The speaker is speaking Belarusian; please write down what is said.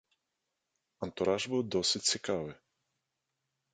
Антураж быў досыць цікавы.